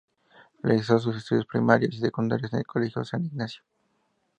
Realizó sus estudios primarios y secundarios en el Colegio San Ignacio.